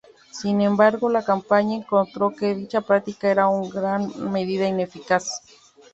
Sin embargo, la compañía encontró que dicha práctica era en gran medida ineficaz.